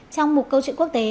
trong một câu chuyện quốc tế